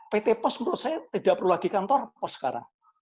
pt pos menurut saya tidak perlu lagi kantor pos sekarang